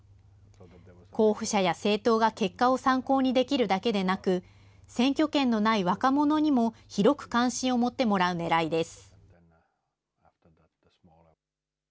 候補者や政党が結果を参考にできるだけでなく、選挙権のない若者にも広く関心を持ってもらうねらいです。